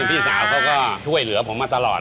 พี่สาวเขาก็ช่วยเหลือผมมาตลอด